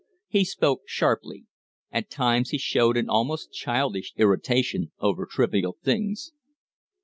He spoke sharply. At times he showed an almost childish irritation over trivial things.